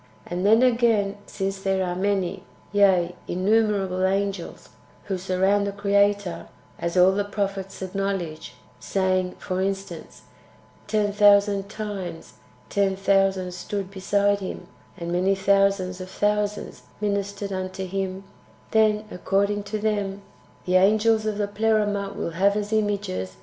And then, again, since there are many, yea, innumerable angels who surround the Creator, as all the prophets acknowledge, — [saying, for in stance,] " Ten thousand times ten thousand stood beside Him, and many thousands of thousands ministered unto Him," ^— then, according^ to them, the angels of the Pleroma will have as images the ano; els of the Creator, and the entire 1 Matt.